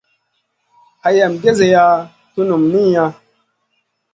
Hayam gezeya tunum niyna.